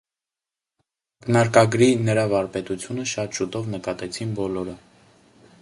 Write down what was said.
Ակնարկագրի նրա վարպետությունը շատ շուտով նկատեցին բոլորը։